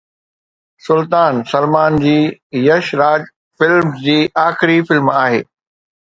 سلطان سلمان جي يش راج فلمز جي آخري فلم آهي